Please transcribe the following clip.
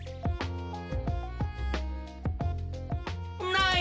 ない！